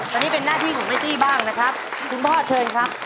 พ่อพ่อหยุดยังหยุด